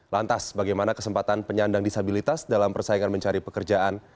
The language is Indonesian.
lantas bagaimana kesempatan penyandang disabilitas dalam persaingan mencari pekerjaan